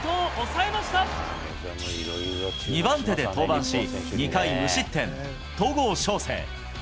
２番手で登板し、２回無失点、戸郷翔征。